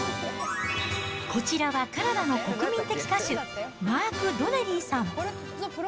こちらはカナダの国民的歌手、マーク・ドネリーさん。